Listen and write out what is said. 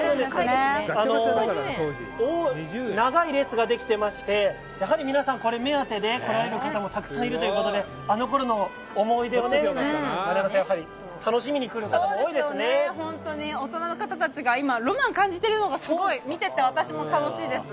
これ、長い列ができてましてやはり皆さん、これ目当てで来られる方もたくさんいられるということであのころの思い出をね丸山さん、楽しみに来る方も本当に大人の方たちがロマンを感じているのがすごい見てて私も楽しいです。